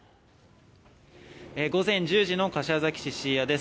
午前１０時の柏崎市椎谷です。